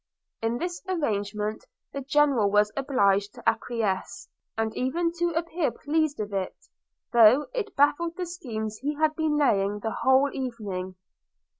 In this arrangement the General was obliged to acquiesce, and even to appear pleased with it, though it baffled the schemes he had been laying the whole evening.